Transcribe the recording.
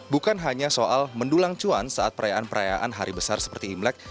bukan hanya soal mendulang cuan saat perayaan perayaan hari besar seperti imlek